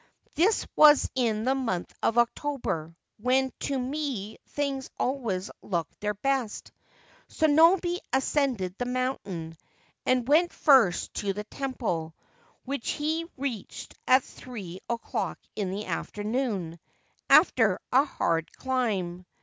This was in the month of October, when to me things always look their best. Sonobe ascended the mountain, and went first to the temple, which he reached at three o'clock in the afternoon, after a hard climb.